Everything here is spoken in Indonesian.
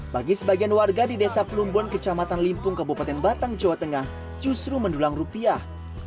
bagi sebagian warga di desa plumbon kecamatan limpung kabupaten batang jawa tengah justru mendulang rupiah